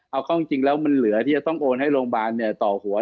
เอาเข้าจริงแล้วมันเหลือที่จะต้องโอนให้โรงพยาบาลต่อหัว